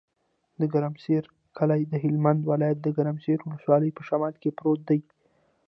د ګرمسر کلی د هلمند ولایت، ګرمسر ولسوالي په شمال کې پروت دی.